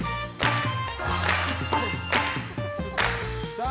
さあ